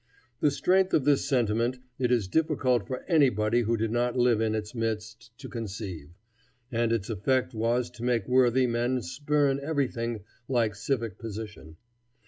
The strength of this sentiment it is difficult for anybody who did not live in its midst to conceive, and its effect was to make worthy men spurn everything like civic position.